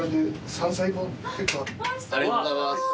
ありがとうございます。